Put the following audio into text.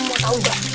udah mundur lagi